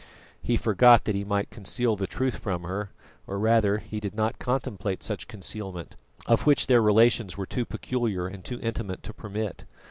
He forgot that he might conceal the truth from her; or rather, he did not contemplate such concealment, of which their relations were too peculiar and too intimate to permit.